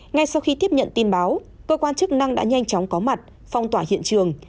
ngay sau khi tiếp nhận tin báo cơ quan chức năng đã nhanh chóng có mặt phong tỏa hiện trường